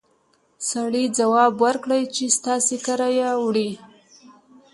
سړي ځواب ورکړ چې ستاسې کره يې وړي!